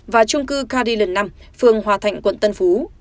và chung cư cardi lần năm phường hòa thạnh quận tân phú